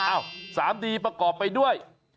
อ้าวสามดีประกอบไปด้วย